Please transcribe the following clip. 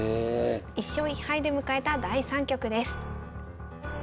１勝１敗で迎えた第３局です。